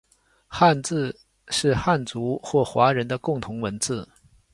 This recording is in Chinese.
汉字是汉族或华人的共同文字